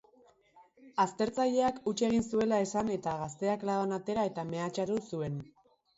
Aztertzaileak huts egin zuela esan eta gazteak labana atera eta mehatxatu zuen.